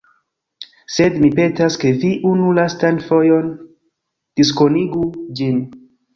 Sed, mi petas, ke vi unu lastan fojon diskonigu ĝin